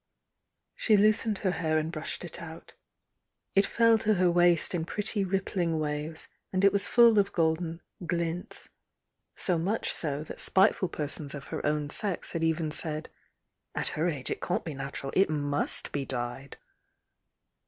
She loosened her hair and brushed it out, — it fell to her waist in pretty rippling waves, and it was full of goldtn "glints," so much 80 that spiteful persons of her own sex had even said — "at her age it can't be natural; it must be dyed!"